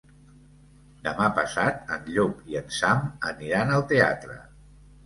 Demà passat en Llop i en Sam aniran al teatre.